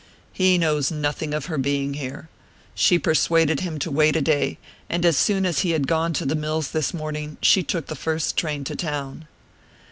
"He knows nothing of her being here. She persuaded him to wait a day, and as soon as he had gone to the mills this morning she took the first train to town."